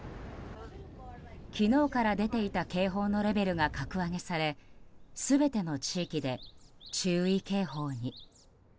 昨日から出ていた警報のレベルが格上げされ全ての地域で注意警報に。